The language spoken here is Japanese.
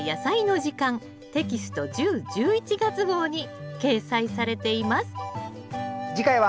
テキスト１０・１１月号に掲載されています